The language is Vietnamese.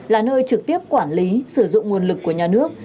là nơi trực tiếp quản lý sử dụng nguồn lực của nhà nước